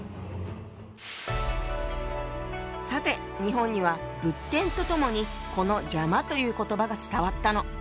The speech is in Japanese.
さて日本には仏典とともにこの「邪魔」という言葉が伝わったの。